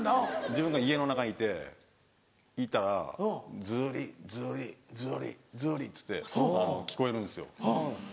自分が家の中にいていたらずりずりずりずりっつって聞こえるんですよ。